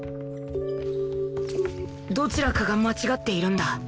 どちらかが間違っているんだ